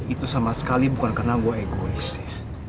itu sama sekali bukan karena gue egois ya